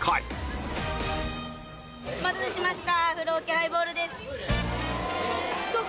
お待たせしました。